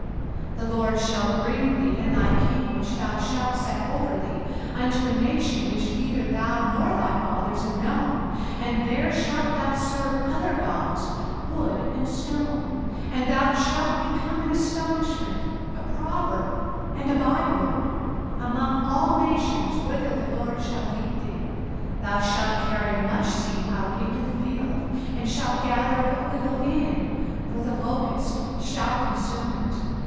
05:028:036 The LORD shall bring thee, and thy king which thou shalt set over thee, unto a nation which neither thou nor thy fathers have known; and there shalt thou serve other gods, wood and stone. 05:028:037 And thou shalt become an astonishment, a proverb, and a byword, among all nations whither the LORD shall lead thee. 05:028:038 Thou shalt carry much seed out into the field, and shalt gather but little in; for the locust shall consume it.